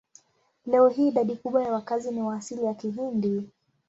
Leo hii idadi kubwa ya wakazi ni wa asili ya Kihindi.